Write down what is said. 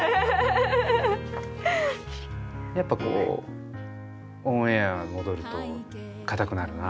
やっぱオンエア戻ると硬くなるな。